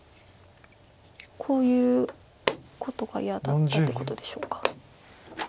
こういうことが嫌だったってことでしょうか。